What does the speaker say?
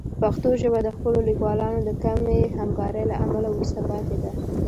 پښتو ژبه د خپلو لیکوالانو د کمې همکارۍ له امله وروسته پاتې ده.